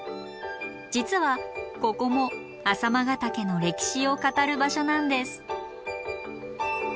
実はここも朝熊ヶ岳の歴史を語る場所なんです。